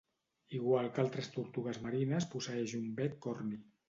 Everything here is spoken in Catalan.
Igual que altres tortugues marines posseeix un bec corni.